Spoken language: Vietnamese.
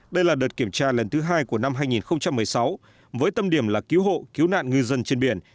đây là đợt kiểm tra lần thứ hai của năm hai nghìn một mươi sáu với tâm điểm là cứu hộ cứu nạn ngư dân trên biển